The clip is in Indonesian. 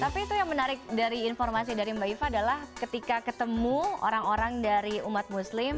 tapi itu yang menarik dari informasi dari mbak iva adalah ketika ketemu orang orang dari umat muslim